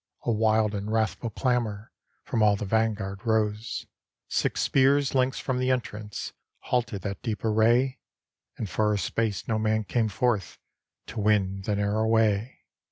A wild and wrathful clamor From all the vanguard rose. Six spears' lengths from the entrance Halted that deep array, And for a space no man came forth To win the narrow way.